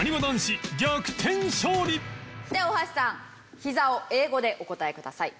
では大橋さん「ひざ」を英語でお答えください。